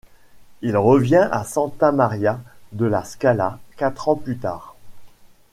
Il revint à Santa Maria de la Scala quatre ans plus tard.